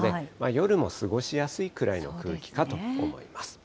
夜も過ごしやすいくらいの空気かと思います。